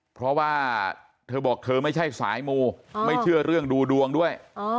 เพราะว่าเธอบอกเธอไม่ใช่สายมูไม่เชื่อเรื่องดูดวงด้วย